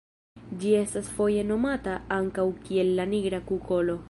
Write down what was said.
Ĝi estas foje nomata ankaŭ kiel la nigra kukolo.